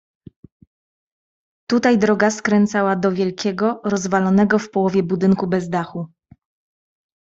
"Tutaj droga skręcała do wielkiego rozwalonego w połowie budynku bez dachu."